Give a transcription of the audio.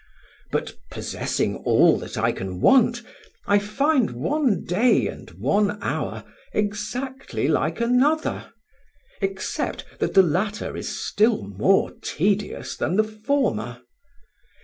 But, possessing all that I can want, I find one day and one hour exactly like another, except that the latter is still more tedious than the former.